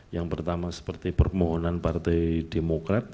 yang pertama seperti permohonan partai demokrat